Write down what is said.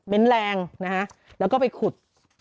เป็นแรงนะฮะแล้วก็ไปขุด